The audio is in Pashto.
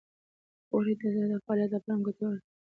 غوړې د زړه د فعالیت لپاره هم ګټورې دي.